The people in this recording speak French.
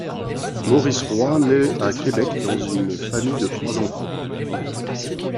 Maurice Roy nait à Québec dans une famille de trois enfants.